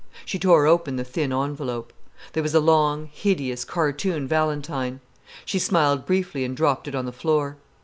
She tore open the thin envelope. There was a long, hideous, cartoon valentine. She smiled briefly and dropped it on the floor.